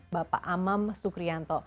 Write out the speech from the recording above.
bapak amam sukrianto